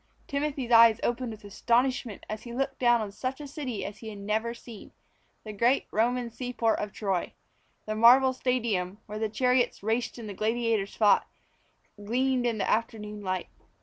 Timothy's eyes opened with astonishment as he looked down on such a city as he had never seen the great Roman seaport of Troy. The marble Stadium, where the chariots raced and the gladiators fought, gleamed in the afternoon light.